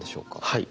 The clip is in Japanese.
はい。